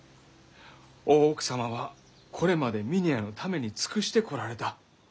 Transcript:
大奥様はこれまで峰屋のために尽くしてこられた。